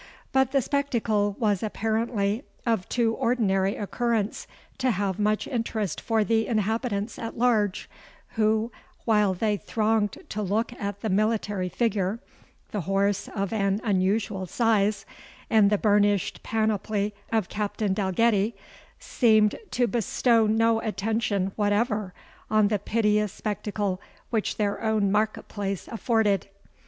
But the spectacle was apparently of too ordinary occurrence to have much interest for the inhabitants at large, who, while they thronged to look at the military figure, the horse of an unusual size, and the burnished panoply of Captain Dalgetty, seemed to bestow no attention whatever on the piteous spectacle which their own market place afforded.